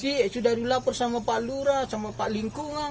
sudah dilapor sama pak lura sama pak lingkungan